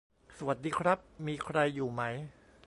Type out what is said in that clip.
สวัสดีครับ มีใครอยู่ไหม